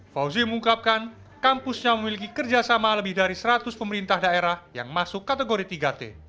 fauzi mengungkapkan kampusnya memiliki kerjasama lebih dari seratus pemerintah daerah yang masuk kategori tiga t